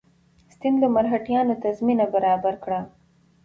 ستنېدلو مرهټیانو ته زمینه برابره کړه.